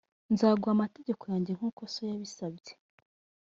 nzaguha amategeko yanjye nk uko so yabisabye